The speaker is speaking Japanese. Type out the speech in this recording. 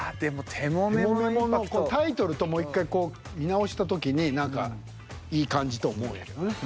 「テモメモ」のタイトルともう１回こう見直した時に何かいい感じと思うんやけどね。